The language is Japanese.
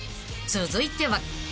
［続いては］